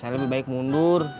saya lebih baik mundur